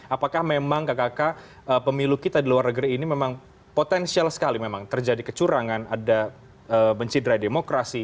apakah memang kakak kakak pemilu kita di luar negeri ini memang potensial sekali memang terjadi kecurangan ada bencidrai demokrasi